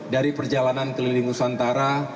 dari perjalanan keliling nusantara